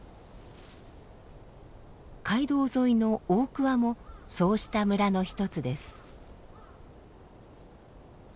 街道沿いの大桑もそうした村の一つです。